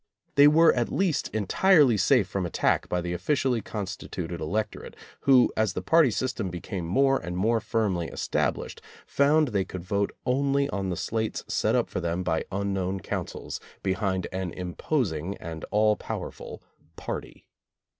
They were at least entirely safe from attack by the officially constituted elec torate, who, as the party system became more and more firmly established, found they could vote only on the slates set up for them by unknown councils behind an imposing and all powerful "Party."